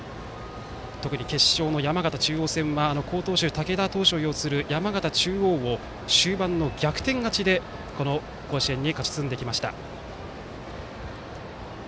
特に決勝は好投手を擁する山形中央を終盤の逆転勝ちで甲子園に勝ち進んできました。